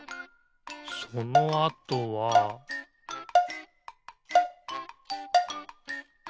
そのあとはピッ！